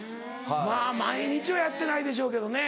まぁ毎日はやってないでしょうけどね。